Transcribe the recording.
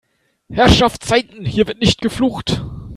Herrschaftszeiten, hier wird nicht geflucht!